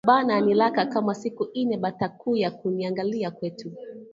Bana nilaka kama siku ya ine batakuya kuniangalia kwetu